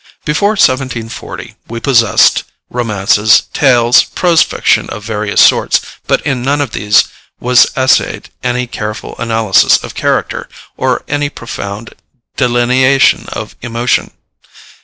Before 1740 we possessed romances, tales, prose fiction of various sorts, but in none of these was essayed any careful analysis of character or any profound delineation of emotion.